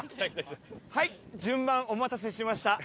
はい順番お待たせしました。